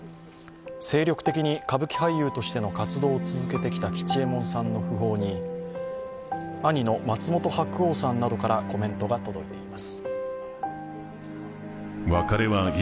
精力的に歌舞伎俳優としての活動を続けてきた吉右衛門さんの訃報に兄の松本白鸚さんなどからコメントが届いています。